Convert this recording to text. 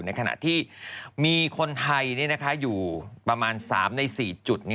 ในขณะที่มีคนไทยอยู่ประมาณ๓ใน๔จุด